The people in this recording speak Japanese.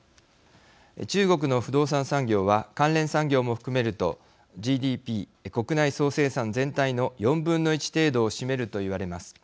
中国の不動産産業は関連産業も含めるとＧＤＰ＝国内総生産全体の４分の１程度を占めると言われます。